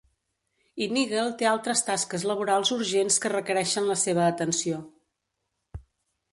I Niggle té altres tasques laborals urgents que requereixen la seva atenció.